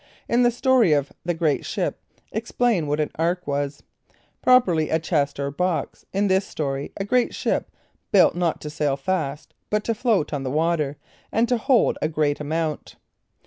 In the story of "The Great Ship," explain what "an ark" was, properly a chest or box; in this story, a great ship, built not to sail fast, but to float on the water, and to hold a great amount.